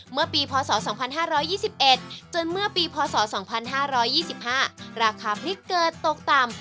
เมื่อปีพศ๒๕๒๑จนเมื่อปีพศ๒๕๒๕ราคาพริกเกิดตกต่ำ